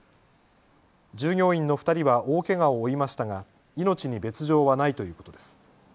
従業員の２人は大けがを負いましたが命に別状はないということです。